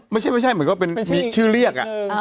ไม่ใช่เหมือนกับเป็นชื่อเรียก